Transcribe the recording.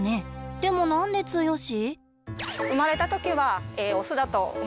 でも何でツヨシ？